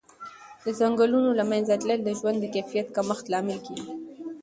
د ځنګلونو له منځه تلل د ژوند د کیفیت کمښت لامل کېږي.